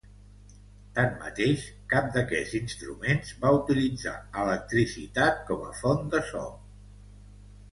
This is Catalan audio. Tanmateix, cap d'aquests instruments va utilitzar electricitat com a font de so.